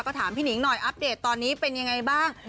ก็ถามผิ่นหน่อยอันตรีตอนนี้เป็นยังไงบ้าง